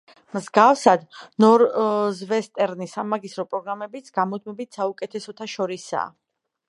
მსგავსად, ნორზვესტერნის სამაგისტრო პროგრამებიც გამუდმებით საუკეთესოთა შორისაა.